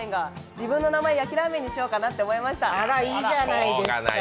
自分の名前、焼ラーメンにしようかなと思いました。